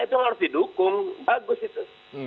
itu yang harus didukung bagus itu